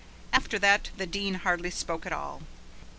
After that the Dean hardly spoke at all.